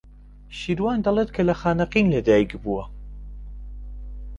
شێروان دەڵێت کە لە خانەقین لەدایک بووە.